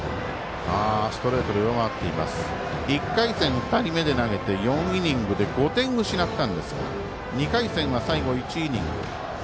１回戦、２人目で投げて４イニングで５点を失ったんですが２回戦は、最後１イニング。